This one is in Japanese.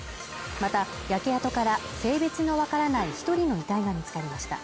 また焼け跡から性別の分からない一人の遺体が見つかりました